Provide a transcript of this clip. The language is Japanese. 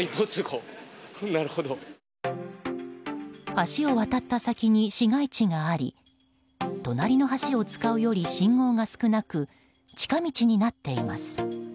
橋を渡った先に市街地があり隣の橋を使うより信号が少なく近道になっています。